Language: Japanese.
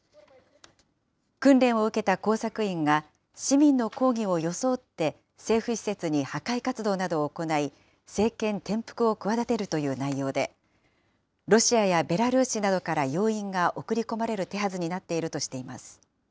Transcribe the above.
訓練を受けた工作員が、市民の抗議を装って政府施設に破壊活動などを行い、政権転覆を企てるという内容で、ロシアやベラルーシなどから要員が送り込まれる手はずになっているとしています。